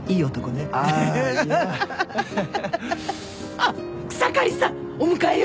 あっ草刈さんお迎えよ。